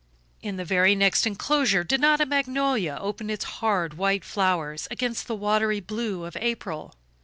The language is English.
In the very next enclosure did not a magnolia open its hard white flowers against the watery blue of April?